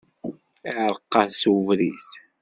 Iɛreq-as ubrid.